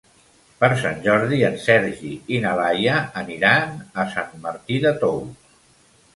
Per Sant Jordi en Sergi i na Laia aniran a Sant Martí de Tous.